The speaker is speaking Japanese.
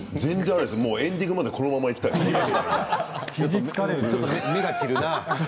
エンディングまでこのままいきたいです。